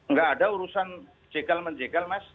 nggak ada urusan jegal menjegal mas